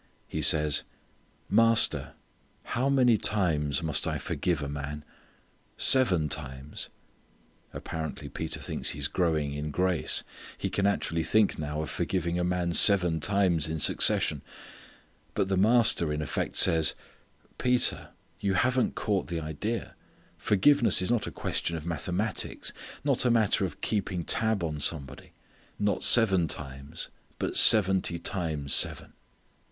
He says, "Master, how many times must I forgive a man? Seven times!" Apparently Peter thinks he is growing in grace. He can actually think now of forgiving a man seven times in succession. But the Master in effect says, "Peter, you haven't caught the idea. Forgiveness is not a question of mathematics; not a matter of keeping tab on somebody: not seven times but _seventy times seven.